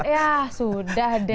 ya sudah deh